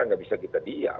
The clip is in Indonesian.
tidak bisa kita diam